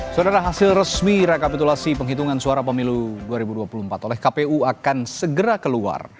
saudara hasil resmi rekapitulasi penghitungan suara pemilu dua ribu dua puluh empat oleh kpu akan segera keluar